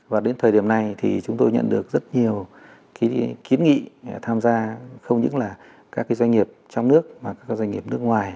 và đến thời điểm này thì chúng tôi nhận được rất nhiều kiến nghị tham gia không những là các doanh nghiệp trong nước mà các doanh nghiệp nước ngoài